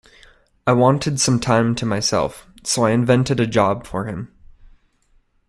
I wanted some time to myself, so I invented a job for him.